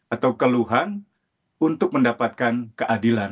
atau keluhan untuk mendapatkan keadilan